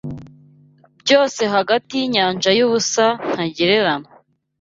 byose hagati yinyanja yubusa ntagereranywa